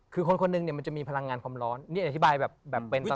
คือคนเนี่ยมันจะมีพลังงานความร้อนเนี่ยอธิบายแบบเป็นตอนนั้น